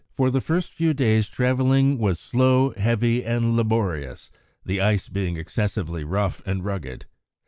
] For the first few days travelling was slow, heavy, and laborious, the ice being excessively rough and rugged.